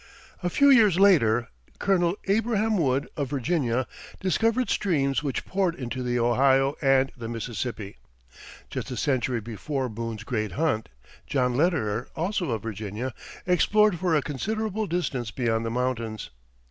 A few years later Colonel Abraham Wood, of Virginia, discovered streams which poured into the Ohio and the Mississippi. Just a century before Boone's great hunt, John Lederer, also of Virginia, explored for a considerable distance beyond the mountains.